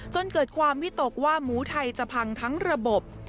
จนเกิดความวิตกว่าหมูไทยจะพังทั้งระบบ